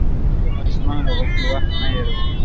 مور د ماشومانو د غسل وخت نه هېروي.